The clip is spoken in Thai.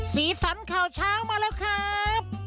สีสันข่าวเช้ามาแล้วครับ